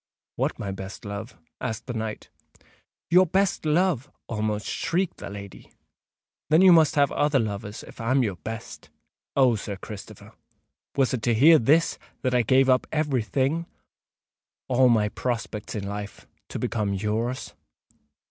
"What, my best love?" asked the knight. "Your best love!" almost shrieked the lady. "Then you must have other loves, if I'm your best! Oh! Sir Christopher, was it to hear this that I gave up every thing—all my prospects in life—to become yours?"